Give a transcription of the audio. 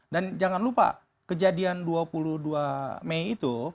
dan jangan lupa kejadian dua puluh dua mei itu